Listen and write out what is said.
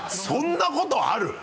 そんなことある？